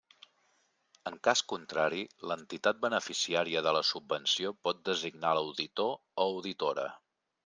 En cas contrari, l'entitat beneficiària de la subvenció pot designar l'auditor o auditora.